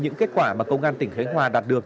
những kết quả mà công an tỉnh khánh hòa đạt được